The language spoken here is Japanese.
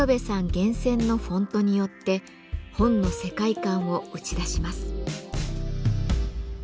厳選のフォントによって本の世界観を打ち出します。